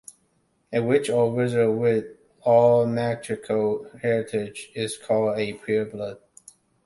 A witch or wizard with all magical heritage is called a pure-blood.